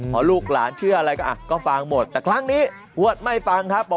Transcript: พอลูกหลานเชื่ออะไรก็ฟังหมดแต่ครั้งนี้อวดไม่ฟังครับ